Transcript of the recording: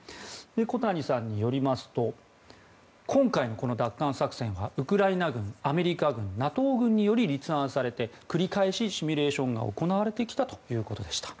小谷さんによりますと今回の奪還作戦はウクライナ軍、アメリカ軍ＮＡＴＯ軍により立案されて繰り返しシミュレーションが行われてきたということでした。